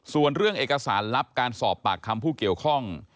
ส่วนเรื่องเอกสารลับการสอบปากคำผู้เกี่ยวข้อง